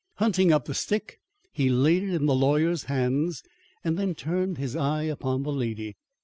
Hunting up the stick, he laid it in the lawyer's hands, and then turned his eye upon the lady.